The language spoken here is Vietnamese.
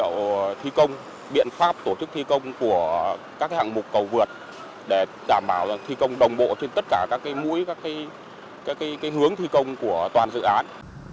tiến độ thi công biện pháp tổ chức thi công của các hạng mục cầu vượt để đảm bảo thi công đồng bộ trên tất cả các mũi các hướng thi công của toàn dự án